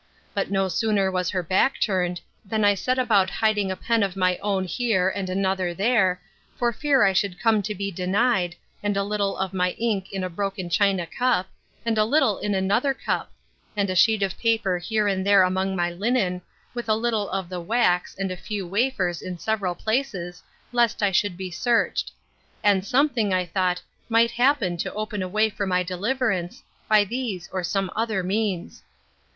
But no sooner was her back turned, than I set about hiding a pen of my own here, and another there, for fear I should come to be denied, and a little of my ink in a broken China cup, and a little in another cup; and a sheet of paper here and there among my linen, with a little of the wax, and a few wafers, in several places, lest I should be searched; and something, I thought, might happen to open a way for my deliverance, by these or some other means.